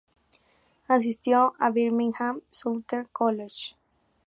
Asistió a Birmingham Southern College.